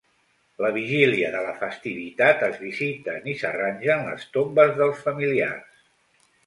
La vigília de la festivitat es visiten i s'arrangen les tombes dels familiars.